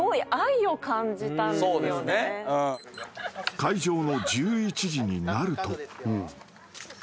［開場の１１時になると］